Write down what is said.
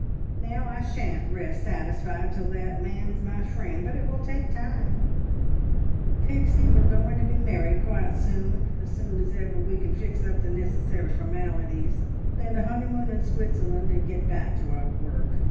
Now I shan't rest satisfied till that man's my friend, but it will take time "Pixie, we're going to be married quite soon as soon as ever we can fix up the necessary formalities, spend a honeymoon in Switzerland, and get back to our work.